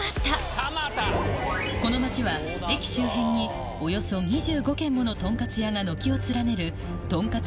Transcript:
この街は駅周辺におよそ２５軒ものとんかつ屋が軒を連ねるとんかつ